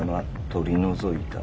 取り除いた」。